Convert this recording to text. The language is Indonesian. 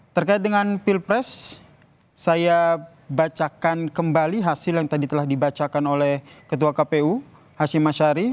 terkait dengan pilpres saya bacakan kembali hasil yang tadi telah dibacakan oleh ketua kpu hashim ashari